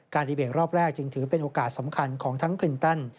ดีเบตรอบแรกจึงถือเป็นโอกาสสำคัญของทั้งคลินตัน